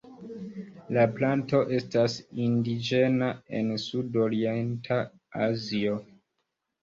La planto estas indiĝena en sud-orienta Azio.